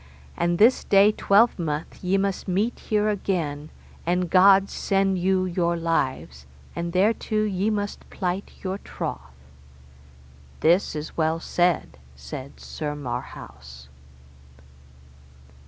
And this day twelvemonth ye must meet here again, and God send you your lives, and thereto ye must plight your troth. This is well said, said Sir Marhaus.